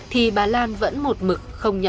thì bà lan vẫn một mực